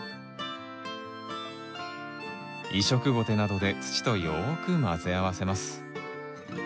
移植ゴテなどで土とよく混ぜ合わせます。